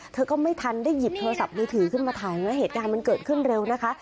เธอก็ไม่ทันได้หยิบโทรศัพท์มือถือขึ้นมาถ่ายไว้เหตุการณ์มันเกิดขึ้นเร็วนะคะ